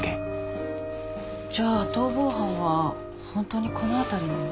じゃあ逃亡犯は本当にこの辺りに。